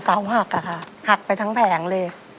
หักอะค่ะหักไปทั้งแผงเลย